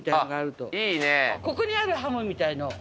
ここにあるハムみたいなの。